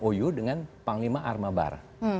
mou dengan panglima armabar